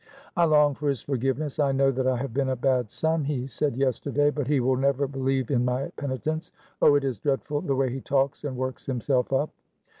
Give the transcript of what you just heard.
"'I long for his forgiveness. I know that I have been a bad son,' he said, yesterday. 'But he will never believe in my penitence.' Oh, it is dreadful the way he talks and works himself up."